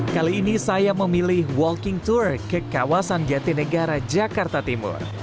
kali ini saya memilih walking tour ke kawasan jatinegara jakarta timur